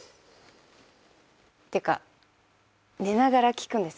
ってか寝ながら聞くんですね。